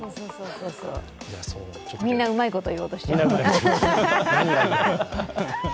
みんなうまいこと言おうとしてる。